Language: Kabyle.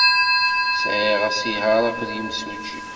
Sɛiɣ asihaṛ akked yemsujji.